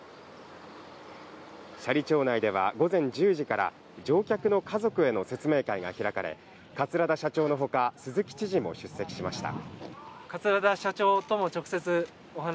斜里町内では午前１０時から乗客の家族への説明会が開かれ、桂田社長のほか、鈴木知事も出席しました。